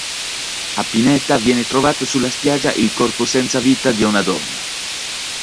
A Pineta viene trovato sulla spiaggia il corpo senza vita di una donna.